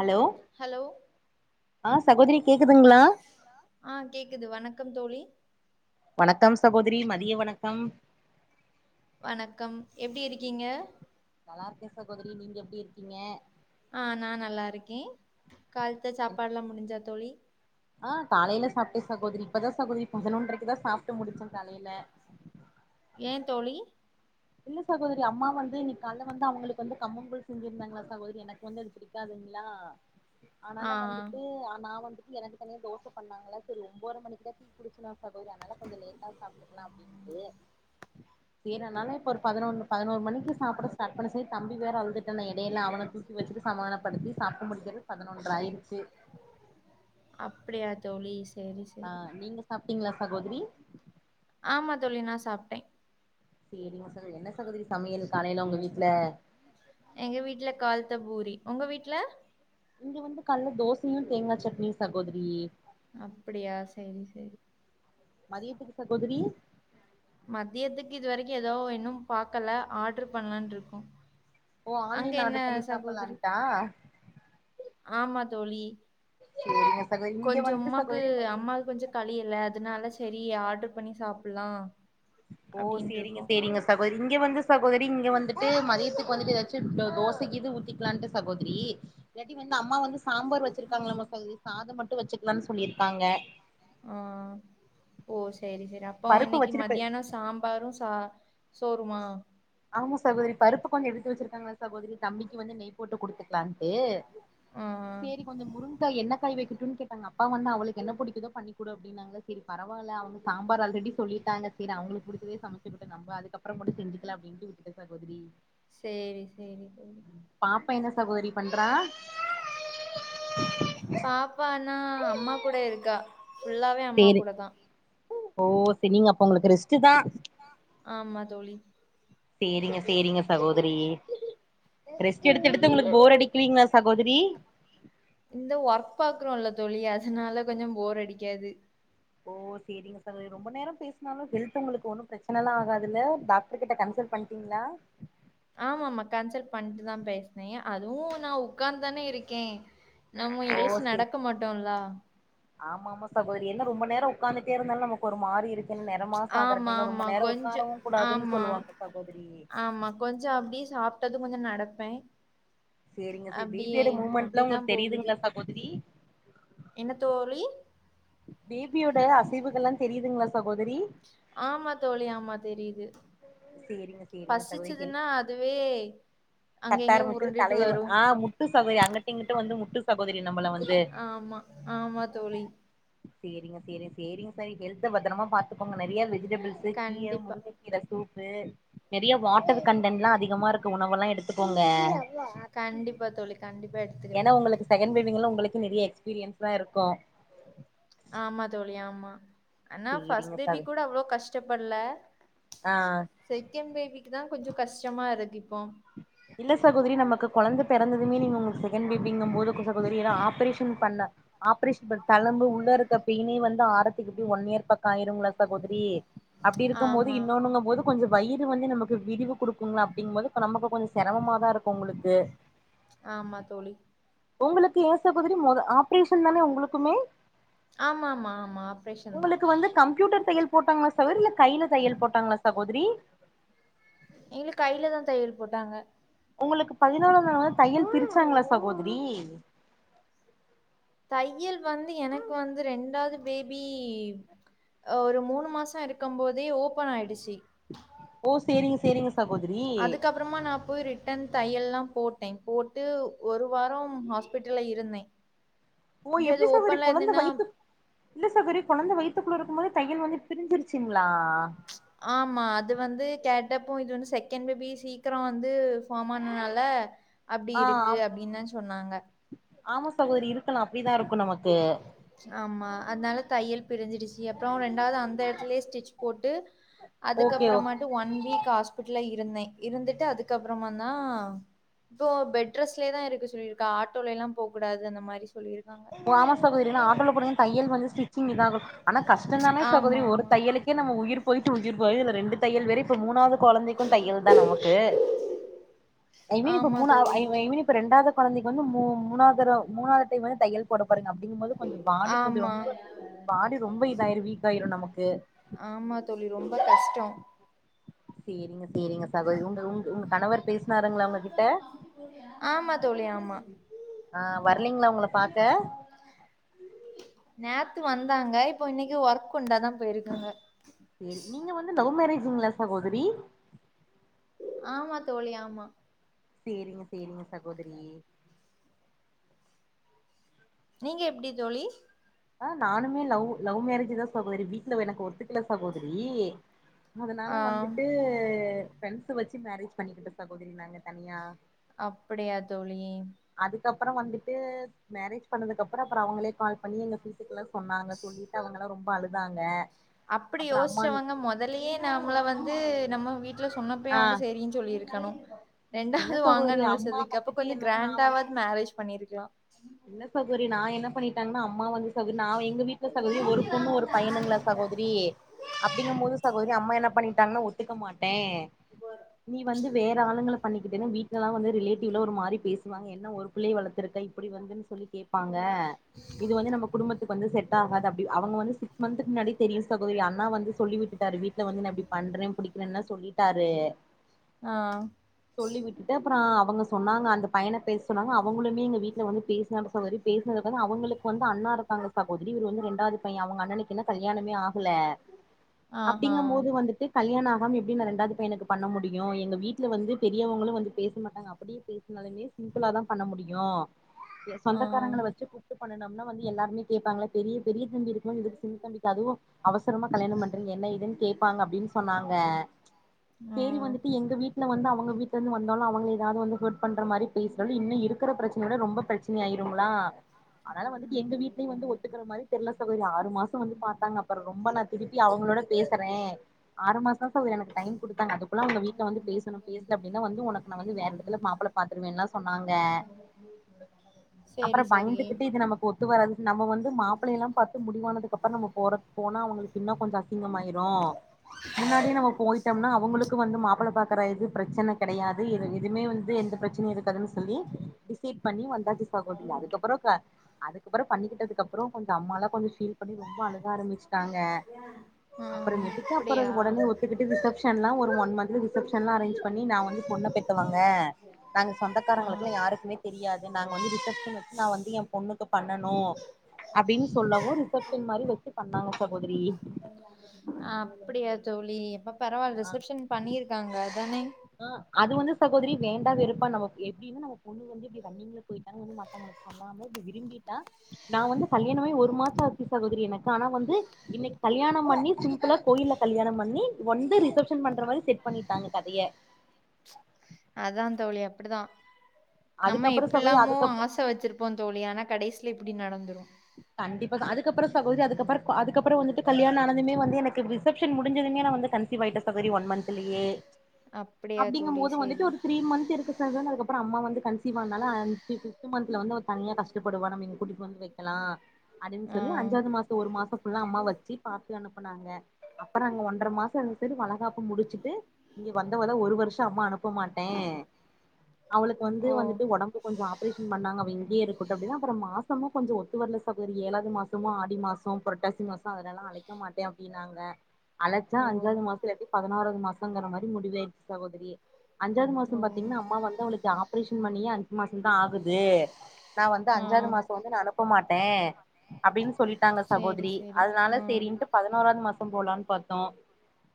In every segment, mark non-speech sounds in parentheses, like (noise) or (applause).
Hello hello ஆ சகோதரி கேக்குதுங்களா ஆ கேக்குது வணக்கம் தோழி வணக்கம் சகோத்ரி மதிய வணக்கம் வணக்கம் எப்டி இருக்கீங்க நலார்கே சகோதரி நீங்க எப்டி இருக்கீங்க ஆ நா நல்லாருக்கே கால்த்த சாப்பாடுலா முடிஞ்சா தோழி ஆ காலைல சாப்ட்டே சாகோதிரி இப்பதா சகோதிரி பதனொன்றைக்குதா சாப்ட்டு முடிச்ச காலைல ஏன் தோழி இல்ல சகோதரி அம்மா வந்து இன்னைக்கால்ல வந்து அவங்களுக்கு வந்து கம்மங்கூழ் செஞ்சிருந்தாங்ளா சகோதரி எனக்கு வந்து அது பிடிக்காதுங்ளா ஆ ஆனால வந்துட்டு ஆ நா வந்து எனக்கு தனியா தோச பண்ணாங்களா சரி ஒம்போர மணிக்குதா டீ குடிச்சனா சகோதரி அதனால கொஞ்ச லேட்டா சாப்ட்டுக்கலா அப்டின்ட்டு சேர் அனால ஒரு பதினொன்னு பதினோரு மணிக்கு சாப்பட ஸ்டார்ட் பண்ண சேர் தம்பி வேற அல்துட்டானா எடைல அவன தூக்கி வச்சுட்டு சமானப்படுத்தி சாப்ட்டு முடிஞ்சது பதினொன்ற ஆயிருச்சு அப்டியா தோழி செரி செரி சாப்டீங்ளா சகோதிரி ஆமா தோழி நா சாப்டே சேரிங்க சகோரி என்ன சகோதரி சமையல் காலைல உங்க வீட்ல எங்க வீட்ல கால்த்த பூரி ஒங்க வீட்ல இங்க வந்து கால்ல தோசையு தேங்கா சட்னியு சகோதரி அப்படியா சேரி சேரி மதியத்துக்கு சகோதரி மத்தியத்துக்கு இதுவரைக்கு எதோ இன்னு பாக்கல ஆட்ரு பண்லான்ருக்க ஓ அங்க ஆன்லைன் என்ன ஆர்டர் பண்ணி சகோதிரி சாப்பிடலான்ட்டா ஆமா தோழி சேரிங்க சகோதரி இங்க கொஞ்ச வந்துட்டு உம்மாக்கு சகோதரி மதிய அம்மாக்கு கொஞ்ச களி இல்ல அதனால சரி ஆட்ரு பண்ணி சாப்புல்லா ஓ சேரிங்க சேரிங்க சகோ இங்க வந்து சகோதரி இங்க வந்துட்டு மதியத்துக்கு வந்துட்டு எதாச்சு தோசக்கிது ஊத்திக்கிலான்ட்டு சகோதிரி இல்லாட்டி வந்து அம்மா வந்து சாம்பார் வச்சிருக்காங்களாமா சகோதரி சாத மட் டு வச்சுக்கலான் சொல்லிருக்காங்க ஆ ஓ சே சேரி சேரி அப்போ பருப்பு இன்னக்கி வச்சிருப்ப மத்யானொ சாம்பாரு சா சோறுமா ஆமா சகோதரி பருப்பு கொஞ்சொ எடுத்து வச்சிருக்காங்க சகோதரி தம்பிக்கி வந்து நெய் போட்டு குடுத்துக்லான்ட்டு ஆ சேரி கொஞ்சோ முருங்கா என்ன காய் வெக்கட்டுன் கேட்டாங்க அப்பா வந்து அவளுக் என்ன புடிக்குதோ பண்ணி குடு அப்டினாங்களா செரி பரவால்ல அவங்க சாம்பார் ஆல்ரெடி சொல்லிட்டாங்க செரி அவ்ங்களுக் புடிச்சதே சமச்சுகட்டு நம்ப அதுகப்றங்கூட செஞ்சு கலா அப்டின்ட்டு விட்டுட்டே சகோதிரி சேரி சேரி தோழி சகோதிரி பண்றா பாப்பான்னா அம்மா கூட இருக்கா ஃபுல்லாவே அம்மா சேரி கூட தா ஓ சேர் நீங்க அப்ப உங்களுக்கு ரெஸ்ட்டு தா ஆமா தோழி சேரிங்க சேரிங்க சகோதிரி ரெஸ்ட் எடுத்து எடுத்து உங்களுக் போர் அடிக்லீங்ளா இந்த ஒர்க் பாக்றோல்ல தோழி அதுனால கொஞ்சோ போர் அடிக்காது ஓ சேரிங்க சகோதிரி ரொம்ப நேரோ பேசுனாலு ஹெல்த் ஒங்களுக்கு ஒண்ணும் பிரச்சனல்லா ஆகாதுல்ல டாக்ரு கிட்ட கன்சல்ட் பண்ட்டீங்ளா ஆமா ஆமா கன்சல்ட் பண்ட்டு தா பேசுனே அதுவு நா உக்காந் தானே இருக்கே நம்ம ஓ எழுச்சி செரி நடக்க மாட்டோல்லா ஆமா ஆமா சகோதிரி என்ன ரொம்ப நேரோ உக்காந்துட்டே இருந்தாலு நமக் ஒரு மாரி இரு ஆமா ஆமா கொஞ்சொ கூடாதுன்னு ஆமா சொல்லுவாங்க சகோதரி ஆமா கொஞ்சொ அப்டியே சாப்ட்டது கொஞ்சொ நட ப்பே சேரிங்க சேர் பேபியோட மூமெண்ட் லா உங்களுக் போகுது. தெரிதுங்ளா சகோதிரி என்ன தோழி பேபியோட அசைவுகள்ல்லா தெரிதுங்களா ஆமா தோழி ஆமா தெரிது சேரிங்க சேரிங்க சகோதிரி ஹெல் அதுவே அங்க கத்த இங்கயும் ஆரம்முச்சுரு உருண்டுட்டு தலைய வரும். ஆ முட்டு சகோதிரி அங்குட்டு இங்குட்டு வந்து முட் டு சகோதி ஆமா ஆமா தோழி சேரிங்க சேரி சேரிங்க சரி ஹெல்த பத்தரமா பாத்துக்கோங்க நெறைய வெ வெஜ்டபுள்ஸு கீர கண்டிப்பா. முருங்க கீர சூப்பு நெறையா வாட்டர் கண்டன்ட்ல்லா அதிகமா இருக்க உணவல்லா எடுத்துக்கோங் க கண்டிப்பா தோழி. கண்டிப்பா எடுத்துக்கிறேன். ஏன்னா உங்களுக்கு செகண்ட் பேபிங்கேள உங்களுக்கு நெறைய எக் எக்ஸ்பீரியன்ஸ் லா இருக்கு ஆமா தோழி ஆமா ஆனா ஃபஸ்ட் சேரிங்க பேபி சகோ கூட அவ்ளோ கஷ்டப்பட்ல ஆ செகண்ட் பேபிக்கு தா கொஞ்சோ கஷ்டமாருக்கிப் இல்ல சகோதிரி நமக்கு கொழந்த பிறந்ததுமே நீங்க உங்க செகண்ட் பேபிங்க போது கொஞ்ச சகோதரி ஏன்னா ஆப்ரேஷன் பண்ண ஆப்ரேஷன் தழும்பு உள்ளயிருக்க பேன்னே வந்து ஆறத்துக்கு எப்படியும் ஒன் இயர் காயிருங்களா சகோதரி அப்படி இருக்கும் போது, ஆமா இன்னொண்ணுங்க போது கொஞ்ச வயிறு வந்து நமக்கு விரிவு கொடுக்குங்களா அப்டிங்கபோது நமக்கு கொஞ்ச சிரமமாதா இருக்கு உங்களுக்கு ஆமா தோழி உங்களுக்கு ஏன் சகோதரி மொத ஆப்ரேஷன் தானே உங்களுக்குமே ஆமா ஆமா ஆமா ஆப்ரேஷன் தா உங்களுக்கு வந்து கம்ப்யூட்டர் தையல் போட்டாங்களா சகோதரி இல்ல கையில தையல் போட்டாங்களா சகோதரி எங்களுக்கு கையில தா தையல் போட்டாங்க உங்களுக்கு பதினால நாள்லா தையல் பிரிச்சாங்களா சகோதரி தையல் வந்து எனக்கு வந்து ரெண்டாவது பேபி ஒரு மூணு மாச இருக்கு போதே ஓபன் ஆயிடுச்சு ஓ சேரிங்க சேரிங்க சகோதரி அதுக்கு அப்புறமா நா போய் ரிட்டன் தையெல்லா போட்டேன் போட்டு ஒரு வார ஹாஸ்பிட்ல்ல இருந்தே ஓ இப்டி அது எப்படி சகோதரி ஓப்பன்ல கொழந்த இருந்தேன்னா வயித்து இல்ல சகோதரி கொழந்த வயித்துக்குள்ள இருக்கு போதே தையல் வந்து பிரிஞ்சிருச்சிங்களா ஆமா அது வந்து கே டப்ப இது வந்து செகண்ட் பேபி சீக்கிரம் வந்து ஃபார்ம் ஆனா நால அப்டி ஆ இருக்கு அப்டின்னு தா சொன்னாங்க ஆமா சகோதரி இருக்கலா அப்படிதா இருக்கு நமக்கு ஆமா அதனால தையல் பிரிஞ்சிடுச்சு அப்புறம் ரெண் அதாவது அந்த இடத்துலயே ஸ்டிச் போட்டு அதுக்க ஓகே ஓகே அப்புறமாட்டு ஒன் வீக் ஹாஸ்பிட்டல இரு இருந்தே இருந்துட்டு அதுக்கு அப்புறமதா இப்போ பெட்ரெஸ்ட்லேதா இருக்க சொல்லிருக்கா ஆட்டோலேலா போகூடாது அந்த மாதிரி ஓ ஆமா சகோதரி நா ஆட்டோல ம் தையல் வந்து ஸுட்சிங் இதான்கு ஆனா கஷ்ட தானே சகோதரி ஆமா, ஒரு ஆமா. தையலுக்கே நம்ம உயிர் போயிட்டு உயிர் வரு இதுல ரெண்டு தையல் வேற இப்ப மூணாவது குழந்தைக்கு தையல் தா நமக்கு ஐ மீன் இப்ப ஆமா மூணா தோழி. ஐ மீன் இப்ப ரெண்டாவது குழந்தைக்கு வந்து மூ மூணாதுதெரவ மூணாவது டைம் தையல் போடு பாருங்க அப்டிங்கும்போது கொஞ்ச பாடி கொஞ்ச ஆமா. ரொம்ப பாடி ரொம்ப இதாயிரும் வீக்காயிரு நமக்கு ஆமா தோழி. ரொம்ப கஷ்டம். சேரிங்க சேரிங்க சகோதரி உங்க உங்க உ உங்க கணவர் பேசு ஆமா தோழி ஆமா ஆ வர்லீங்களா உங்கள பாக்க நேத்து வந்தாங்க இப்போ இன்னைக்கு ஒர்க் உண்டு அதா போயிருக்காங்க சரி நீங்க வந்து லவ் மேரேஜுங்களா சகோதரி ஆமா தோழி ஆமா சரிங்க சரிங்க சகோதரி நீங்க எப்டி தோழி ஆ நானுமே லவ் லவ் மேரேஜ்தா சகோதிரி வீட்டு்ல எனக்கு ஒத்துக்கள சகோதரி ஆ அதனால வந்துட்டு ஃப்ரெண்ட்ஸ வச்சு மேரேஜ் பண்ணிக்கிட்டோ சகோதரி நாங்க தனியா அப்டியா தோழி அதுக்கப்புற வந்துட்டு மேரேஜ் பண்ணதுக்கு அப்ற அப்பற அவங்களே கால் பண்ணி எங்க வீட்டுக்கெல்லா சொன்னாங்க சொல்லிட்டு அவங்கல்லா ரொம் அழுதாங்க அப்டி அப்புறோ அம்மா யோசிச்சவங்க மொதலயே நம்மள வந் து நம்ம வீட்ல சொன்னப்பயே ஆ அவங்க சரின்னு சொல்லிருக் கணு இல்ல ரெண்டாவது சகோதரி வாங்கன்னு அம்மா விழிச்சதுக்கு அப்ப வந்துட்டு கொஞ்ச என்னன்னா நா வந்து கிராண்டாவது மேரேஜ் பண்ணிருக்கலா இல்ல சகோதரி நா என்னா பண் டனா அம்மா வந்து ச எங்க வீட்டுல சகோதரி ஒரு பொண்ணு ஒரு பயனுங்களா சகோதரி அப்டிங்கும் போது சகோ அம்மா என்ன பண்ணிட்டாங்கன்னா ஒத்துக்க மாட்டே நீ வந்து வேற ஆளுங்கள பண்ணிக்கிட்டன்னா வீட் க்ளா வந்து ரிலேட்டிவ்லா ஒரு மாரி பேசுவாங்க என்ன ஒரு பிள்ளய வளத்திருக்க இப்டி வந்துன்னு சொல்லி கேப்பாங்க இது வந்து நம்ம குடும்பத்துக் வந்து செட்டாகாது அப்டி அவங்க வந்து சிக்ஸ் மந்த்க்கு முன்னாடி தெரியு சகோதரி அண்ணா வந்து சொல்லி விட்டுட்டாரு வீட்டுல வந்து நா இப்டி பண்றே பிடிக்கிறேனா சொல்லிட்டாரு ஆ சொல்லி விட்டுட்டு அப்றா அவங்க சொ சொன்னாங்க அந்த பயன பேச சொன்னாங்க அவங்களுமே எங்க வீட் ல வந்து பேசனாங்க சகோதரி பேசனதுல அவங்களுக்கு வந்து அண்ணா இருக்காங்க சகோதரி இவரு வந்து ரெண்டாவது பைய அவங்க அண்ணனுக்கு இன்னு கல்யாணமே ஆகல ஆஹா அப்டிங்க போது வந்துட்டு கல்யாண ஆகாம எப்டி நா ரெண்டாவது பையனுக்கு பண்ண முடியு எங்க வீட்ல வந்து பெரியவங்களு வந்து பேச மாட்டாங்க அப்படியே பேசினாலமே சிம்பிளா தா பண்ண முடியு ஆ சொந்தக்காரங்கள வச்சு கூப்டு பண்ணனும்னா வந்து எல்லாருமே கேப்பாங்களா பெரிய பெரிய தம்பி இருக்கும்போது சின்ன தம்பிக்கு அதுவு அவசரமா கல்யாண பண்றிங்க என்ன ஏதுன்னு கேக் ப்பாங்க அப்டின் சொன்னாங்க ஆ தேடி வந்துட்டு எங்க வீட் இன்னு வந்து அவங்க வீட்ல ருந்து வந்தாலு அவங்க ஏதாது வந்து ஹட் பன்ற மாரி பேசுறது இன்னு இருக்கற பிரச்ச ட ரொம்ப பிரச்சன ஆயிருங்களா அதனால வந்துட்டு எங்க வீட்லயு வந்து ஒத்துக்கிற மாரி தெர்ளா சகோதரி ஆறு மாசோ வந்து பாத்தாங்க அப்பறோ ரொம்ப நா திருப்பி அவங்களோட பேசறே ஆறு மாசோ தா எனக்கு டைம் கொடுத்தாங்க அது ப்பலா உங்க வீட்டுல வந்து பேசனும் பேசல அப்டின்னா வந்து உனக் நா வந்து வேறடத்துல மாப்பிள பாத்துருவேன்லா சொன்னாங்க அப்ரோ சேரி சேரி பயந்துகிட்டு இது நமக்கு ஒத்து வராது நம்ம வந்து மாப்லயெல்லாம் பாத்து முடிவானதுக்கப்பறம் நம்ம போற போனா அவங்களுக்கு இன்னு கொஞ்சோ அசிங்கமாயிரு முன்னாடியே நம்ம போயிட்டோம்னா அவங்க உனக்கு வந்து மாப்ள பாக் கரது பிரச்சன கடையாது இது எதுமே வந்து எந்த பிரச்சனயு இருக்காதுன்னு சொல்லி டிசிட் பண்ணி வந்தா (unintelligible) அதுக்கப்பறோ க அதுக்கப்ரோ பண்ணிக்கிட்டதுக்கப்றோ கொஞ்சொ அம்மால்லா கொஞ்சோ ஃபீல் பண்ணி ரோம்ப அழக ஆரம்பிச்சு தாங்க ஆ அப்பறமேட்டுக்கு அப்ரோ அப்படியா உடனே ஒத்துக்கிட்டு ரிசப்ஷன்லா ஒரு ஒன் மன்துகு ப்ஷன்லா அரேஞ் பண்ணி நா வந்து பொண்ண பேத்தவங் வே நாங்க ஆ சொந்தக்காரங்களுக்கெல்லா யாருக் தெரியாது நாங்க வந்து ரிசப்ஷன் வச்சு நா வந்து ஏ பொண்ணுக்கு பண்ணனு அப்டின் சொல்லவு ரிசப்ஷன் மாரி வச்சு பண்ணாங்க சகோதரி அப்டியா தோழி எப்ப பரவால் ரிசப்ஷன் பண்ணியிருக்காங்க அதானே அ அது வந்து சகோதரி வேண்டா வெறுப்பா நம்ம எப்டின்ன நம்ம பொண்ணு வந்து இப்டி ரன்னிங்ல போயிட்டா வந்து மத்தவங்களுக்கு சொல்லாம இப்டி விரும்பிட்டா நா வந்து கல்யாணமாய் ஒரு மாசோ ஆச்சு சகோதரி எனக்கு ஆனா வந்து இன்னக்கு கல்யாணம் பண்ணி துல கோயில்ல கல்யாணம் பண்ணி வந்து ரிசப்ஷன் பண்ற மாரி செட் பண்ணிட்டாங்க கதய அதா தோழி அப்படிதா நம்ம அதுக்கப்புறோ சகோதரி எப்பில்லாமோ அதுக்கப் ஆச வச்சிருப்போ தோழி ஆனா கடைசில இப்டி நடந்துரு கண்டிப்பா க அதுக்கப்ரோ சகோதரி அதுக்கப்பற கோ அதுக்கப்ரோ வந்துட்டு கல்யாண ஆனதுமே வந்து எனக்கு ரிசெப்ஷன் முஞ்சதுமே நா வந்து கன்சிவாயிட்ட சகோதரி ஒன் மந்த்லயே அப்டியா அப்டிங்கும் தோழி போது சேரி வந்துட்டு ஒரு த்ரீ மந்த் இருக்கு சதானதுக்கப்ரோ அம்மா வந்து கன்சீவ் ஆனால அஞ் ஃபி ஃபிஃப்த் மந்த்ல வந்து அவ தனியா கஷ்டப்படுவா நம்ம இங்கூட்டிட் வந்து வை ல்லா அடின்னு ஆ சொல்லி அஞ்சாது மாசோ ஒரு மாசோ ஃபுல்லா அம்மா வச்சு பாத்து அனுப்புனாங்க அப்புறோ இங்க ஒன்றர மாசோ சரி வலகாப்பு முடிச்சுட்டு இங்க வந்தவத ஒரு வருஷ அம்மா அனுப்ப பு மாட்டே அவளுக்கு வந்து ஓ வந்துட்டு ஒடம்பு கொஞ்சொ ஆப்ரேஷன் பண்ணாங்க அவ இங்யே இரு கொட்ட அப்டினா அப்பறம் மாசமு கொஞ்சோ த்துவரல சகோதரி ஏழாவது மாசமு ஆடி மாசொ பொரட்டாசி மாசோ அதலல்லா அழைக்க மாட்ட அப்டின்னாங்க அழைச்சா ஓ அஞ்சாது மாசதலட்டி பதினோறது மாச ங்கற மாரி முடிவாயிடுச்சு சகோதரியே அஞ்சாது ஓ மாசம் பாத்தீங்கன்னா அம்மா வந்து அவங்களுக்கு ஆப் பரேஷன் பன்னியே அஞ்சு மாசம் தா ஆகுது நா வந்து ஆ அஞ்சாது மாசோ வந்து நா அனுப் போ மாட்டேன் அப்படின்னு சொல்லிட்டாங்க சேரி சகோதரி சேரி அதனால ஆ சரின்னுட்டு பதினோராது மாச ம் போலாம் பாத்தோம்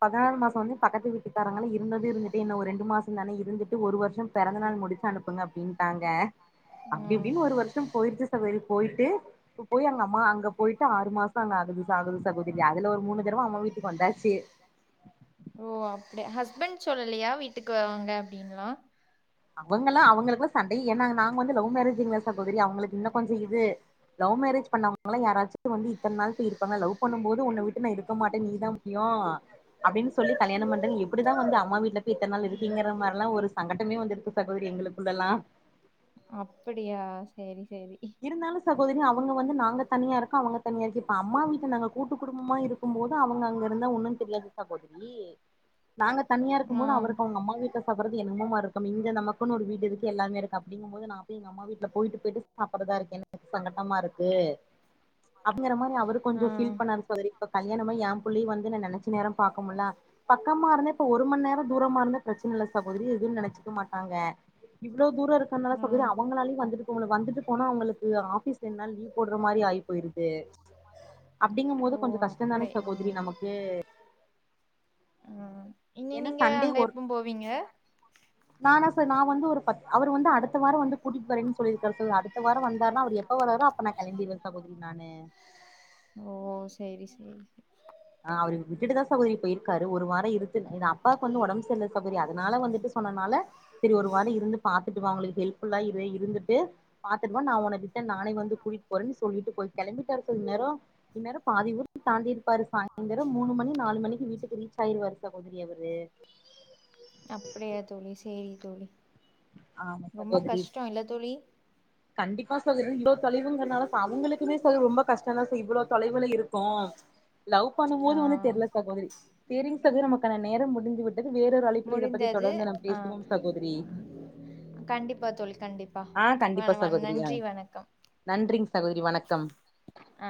பதினோறா மாசம் வந்து பக்கத்து வீட்டுக்காரங்கள இருந்ததும் இருந்துட்டு இன்னும் ஒரு ரெண்டு மாசம் தானே இருந்துட்டு ஒரு வருஷம் பிறந்த நாள் முடிச்சு அனுப்புங்க அப்டின்ட்டாங்க ஆ அப்டி அப்டின்னு ஒரு வருஷம் போயிருச்சு சகோதரி போயிட்டு இப்ப போய் அங்க அம்மா அங்க போயிட்டு ஆறு மாசம் அங்க ஆகுது சகோ சகோதரி அதுல ஒரு மூணு தடவை அம்மா வீட்டுக்கு வந்தாச்சு ஓ அப்படிய ஹஸ்பண்ட் சொல்லலையா வீட்டுக்கு வாங்க அப்படின்லா அவங்கல்லா அவங்களுக்குல்லா சண்டையே ஏன்னா நாங்க வந்து லவ் மேரேஜ்ங்களா சகோதரி அவங்களுக்கு இன்னு கொஞ்ச இது லவ் மேரேஜ் பண்ணவங்கல்லா யாராச்சு வந்து இத்தனை நாள்க்கு இருப்பாங்க லவ் பண்ணும் போது உன்னை வீட்டு நான் இருக்க மாட்டேன் நீதான் முக்கயம் அப்டின்னு சொல்லி கல்யாணம் (unintelligible) எப்படிதான் வந்து அம்மா வீட்டுல போய் இத்தனை நாள் இருந்தீங்கற மாதிரிலா ஒரு சங்கட்டமே வந்து சகோதரி எங்களுக்குள்ளல்லா அப்படியா சரி சரி இருந்தாலு சகோதரி அவங்க வந்து நாங்க தனியா இருக்க அவங்க தனியா இருக்கு அம்மா வீட்ல நாங்க கூட்டு குடும்பமா இருக்கும் போது அவங்க அங்க இருந்தா ஒன்னு தெரியாது சகோதரி நாங்க தனியா இருக்கும் ஆ போது அவருக்கு அவங்க அம்மா கிட்ட சப்பறது என்னமோ மாறி இருக்கு இங்க நமக்குனு ஒரு வீடு இருக்கு எல்லாமே இருக்கு அப்டிங்ம்போது நா போய் அம்மா வீட்டுல போயிட்டு போயிட்டு சாப்பிட்ரதா இருக்கு என்ன சங்கடமா இருக்கு அப்படிங்கற மாதிரி அவர் கொஞ்சம் ஆ பீல் பண்ணார் சகோதரி இப்ப கல்யாணம்மாயி ஏ பிள்ளையும் வந்து நான் நினைச்ச நேரம் பாக்க முடில பக்கமா இருந்தே இப்ப ஒரு மணி நேரம் தூரமா இருந்தே பிரச்சனைல்ல சகோதரி இதுன்னு நெனைச்சக்க மாட்டாங்க இவளோ தூரம் இருக்கனால ஆ இப்ப (unintelligible) அவங்களாலையும் வந்துட்டு போக முடியல வந்துட்டு போனா அவங்களுக்கு ஆபீஸ் ரெண்டு நாள் லீவ் போடுற மாதிரி ஆய் போயிருது அப்படிங்கும் போது ஓ கொஞ்சம் கஷ்டம் தானே அப்படி சகோதரி ஆ நமக்கு ஆ இனி ஏன்னா நீங்க சண்டே அங்க ஒர் எப்ப போவீங்க (unintelligible) வந்து ஒரு பத் அவர் வந்து அடுத்த வாரம் வந்து கூட்டிட்டு வரன்னு சொல்லியிருக்கரு அதுக் அடுத்த வாரம் வந்தாருன்னா அவர் எப்ப வராரோ அப்ப நான் கிளம்பிடுவேன் சகோதரி நான்னு ஓ சேரி சேரி அ அவரு விட்டுட்டுதா சகோதரி போயிருக்காரு ஒரு வாரம் இருந்துட் என் அப்பாவுக்கு வந்து உடம்பு சரியில்லை சகோதரி அதனால வந்துட்டு சொன்னனால சரி ஒரு வாரம் இருந்து பாத்துட்டு (unintelligible) ஹெல்ப்ஃபுல்லா இருந்துட்டு பாத்துட்டு வா நா உனக்கு நானே வந்து கூட்டிட்டு போறேன்னு சொல்லிட்டு போய் கிளம்பிட்டாரு (unintelligible) இன் நேரம் இன்னேரம் பாதி ஊர் தாண்டிருப்பாரு சாயந்தேரம் மூணு மணி நாலு மணிக்கு வீட்டுக்கு ரீச் ஆயிருவாரு சகோதரி அவரு அப்படியா தோழி சேரி தோழி ஆமா ரொம்ப சகோதரி கஷ்டோ இல்ல தோழி கண்டிப்பா சகோதரி இ்வ்ளோ தொலைவுங்கனால அவங்களுக்குமே (unintelligible) ரொம் ரொம்ப கஷ்டம்தா (unintelligible) இவளோ தொலைவுல இருக் இப்போ லவ் ஆ பண்ணும்போது ஒன்னும் தெரியல சகோதரி சேரிங் தோழி நமக்கான நேரம் முடிஞ்சுவிட் அடுத்து வேறொரு அழைப்புல இத பத்தி முடிந்தது தொடர்ந்து நம் ஆ பேசுவோம் சகோதரி கண்டிப்பா தோழி கண்டிப்பா ஆ வண கண்டிப்பா வ சகோதரி ஆ நன்றி வணக்கம் நன்றிங்க சகோதரி வணக்கம் அ